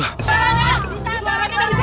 suara kita disana